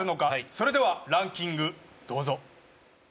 それでは、ランキング、どうぞ。